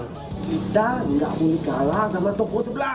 kita nggak boleh kalah sama toko sebelah